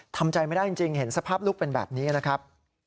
ทำใจไม่ได้จริงเห็นสภาพลูกเป็นแบบนี้นะครับ